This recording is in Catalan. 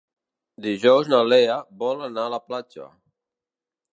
Dijous na Lea vol anar a la platja.